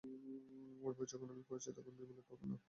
ও বই যখন আমি পড়েছি তখন বিমলই বা পড়বে না কেন?